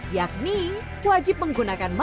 yakni wajib menggunakan perahu